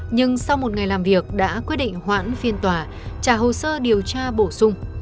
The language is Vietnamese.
nhưng sau một ngày làm việc đã quyết định hoãn phiên tòa trả hồ sơ điều tra bổ sung